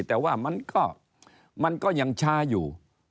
แต่ว่ามันก็ยังช้าอยู่